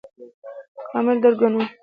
کامل درک ګڼو.